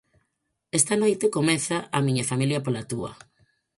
Esta noite comeza "A miña familia pola túa".